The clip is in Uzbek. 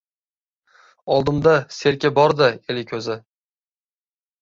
Oldimda serka bor-da. El ko‘zi...